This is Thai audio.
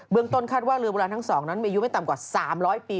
เมืองต้นคาดว่าเรือโบราณทั้ง๒นั้นมีอายุไม่ต่ำกว่า๓๐๐ปี